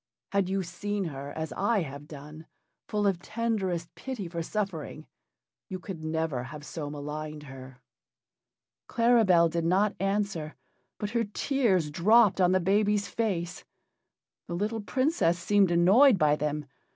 Had you seen her, as I have done full of tenderest pity for suffering you could never have so maligned her." Claribel did not answer, but her tears dropped on the baby's face. The little Princess seemed annoyed by them.